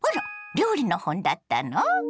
料理の本だったの？